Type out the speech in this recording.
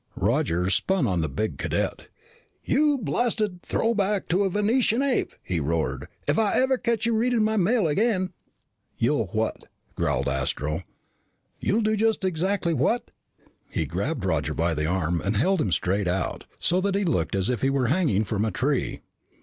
Roger spun on the big cadet. "You blasted throwback to a Venusian ape!" he roared. "If I ever catch you reading my mail again " "You'll what?" growled Astro. "You'll do just exactly what?" He grabbed Roger by the arm and held him straight out, so that he looked as if he were hanging from a tree.